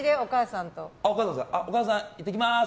お母さん、行ってきます！